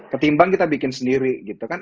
ketimbang kita bikin sendiri gitu kan